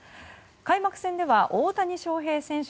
開幕戦では大谷翔平選手